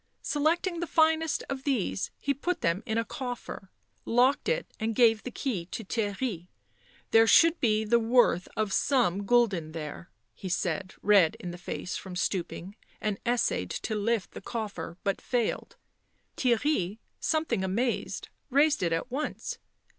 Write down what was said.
Selecting the finest of these he put them in a coffer, locked it and gave the key to Theirry. " There should be the worth of some gulden there," he said, red in the face from stooping, and essayed to lift the coffer, but failed. Theirry, something amazed, raised it at once.